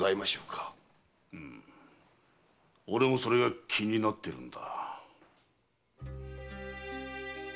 うむ俺もそれが気になってるんだ。